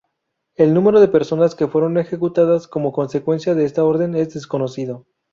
El número de personas que fueron ejecutadas como consecuencia de esta orden es desconocido.